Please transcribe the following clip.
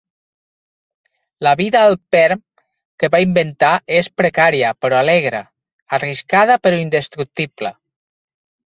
La vida al Perm que va inventar és precària però alegre, arriscada però indestructible.